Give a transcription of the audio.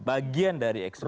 bagian dari eksekutif